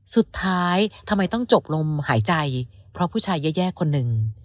สุดท้ายทำไมต้องจบลมหายใจเพราะผู้ชายแย่คนหนึ่ง